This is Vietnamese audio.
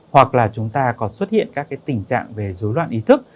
hoặc là chúng ta còn xuất hiện các tình trạng về dối loạn ý thức